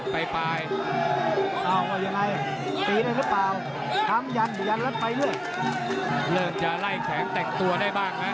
ไปปลายเอ้าว่ายังไงตีนแล้วหรือเปล่าทำยันยันแล้วไปด้วยเริ่มจะไล่แข็งแต่งตัวได้บ้างนะ